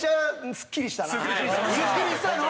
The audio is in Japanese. スッキリしたの？